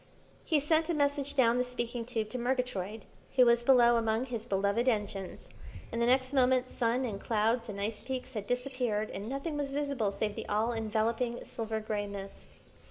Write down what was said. He sent a message down the speaking tube to Murgatroyd, who was below among his beloved engines, and the next moment sun and clouds and ice peaks had disappeared and nothing was visible save the all enveloping silver grey mist.